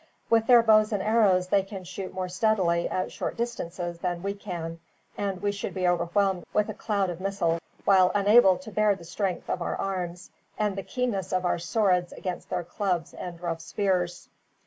With their bows and arrows they can shoot more steadily at short distances than we can, and we should be overwhelmed with a cloud of missiles, while unable to bring to bear the strength of our arms and the keenness of our swords against their clubs and rough spears.